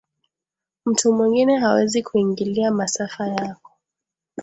mtu mwingine hawezi kuingilia masafa yako